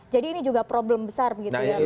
jadi ini juga problem besar gitu ya